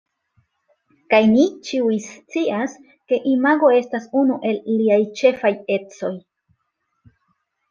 Kaj ni ĉiuj scias, ke imago estas unu el liaj ĉefaj ecoj.